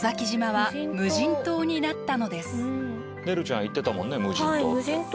ねるちゃん言ってたもんね無人島。